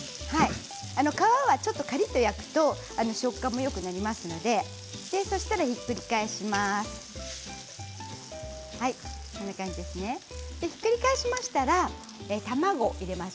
皮はちょっとカリっと焼くと食感もよくなりますのでそしたらひっくり返します。